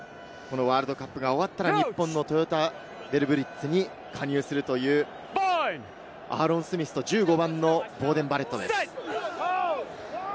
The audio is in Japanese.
ワールドカップが終わったら日本のトヨタヴェルブリッツに加入するというアーロン・スミスと１５番のボーデン・バレットです。